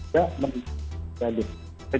tidak menjadi tradisional